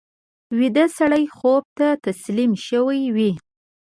ویده سړی خوب ته تسلیم شوی وي